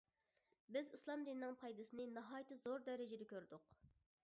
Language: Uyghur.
بىز ئىسلام دىنىنىڭ پايدىسىنى ناھايىتى زور دەرىجىدە كۆردۇق.